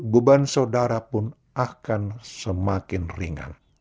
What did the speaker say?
beban saudara pun akan semakin ringan